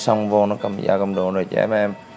xong vô nó cầm dao cầm đồ rồi trẻ em